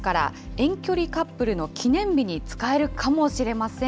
遠距離カップルの記念日に使えるかもしれません。